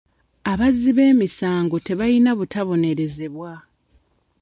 Abazzi b'emisango tebayina butabonerezebwa.